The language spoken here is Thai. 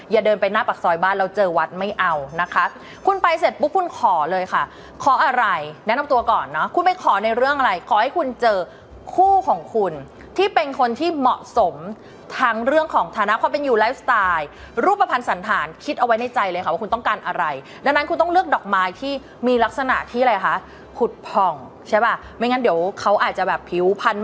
เดินไปหน้าปากซอยบ้านเราเจอวัดไม่เอานะคะคุณไปเสร็จปุ๊บคุณขอเลยค่ะขออะไรแนะนำตัวก่อนนะคุณไปขอในเรื่องอะไรขอให้คุณเจอคู่ของคุณที่เป็นคนที่เหมาะสมทั้งเรื่องของฐานะความเป็นอยู่ไลฟ์สไตล์รูปภัณฑ์สันธารคิดเอาไว้ในใจเลยค่ะว่าคุณต้องการอะไรดังนั้นคุณต้องเลือกดอกไม้ที่มีลักษณะที่อะไรคะขุดผ่องใช่ป่ะไม่งั้นเดี๋ยวเขาอาจจะแบบผิวพัน